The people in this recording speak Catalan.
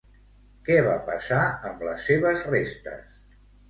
Què va passar amb les seves restes?